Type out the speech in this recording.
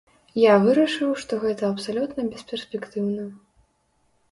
Я вырашыў, што гэта абсалютна бесперспектыўна.